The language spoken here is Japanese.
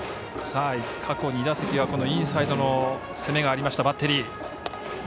過去２打席はインサイドの攻めがありましたバッテリー。